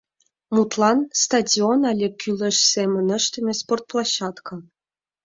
— Мутлан, стадион але кӱлеш семын ыштыме спортплощадка.